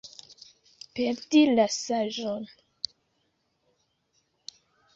Perdi la saĝon.